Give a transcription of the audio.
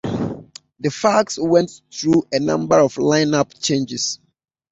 The Fugs went through a number of lineup changes.